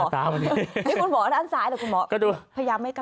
แต่คุณหมอทางซ้ายหรือคุณหมอก็พยายามไม่ใกล้